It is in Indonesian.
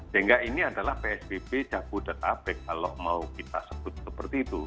sehingga ini adalah psbb jabodetabek kalau mau kita sebut seperti itu